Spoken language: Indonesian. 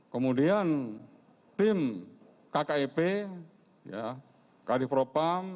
kemudian tim kkip kd propam